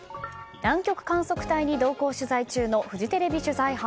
南極観測隊に同行取材中のフジテレビ取材班。